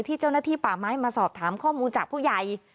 เจ้าหน้าที่ป่าไม้มาสอบถามข้อมูลจากผู้ใหญ่